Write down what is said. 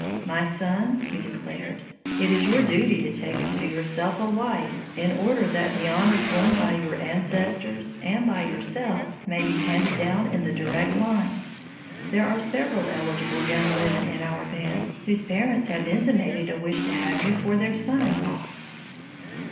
"My son," he declared, "it is your duty to take unto yourself a wife, in order that the honors won by your ancestors and by yourself may be handed down in the direct line. There are several eligible young women in our band whose parents have intimated a wish to have you for their son in law."